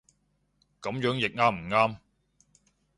噉樣譯啱唔啱